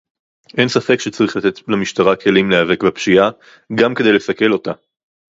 אין ספק שצריך לתת למשטרה כלים להיאבק בפשיעה - גם כדי לסכל אותה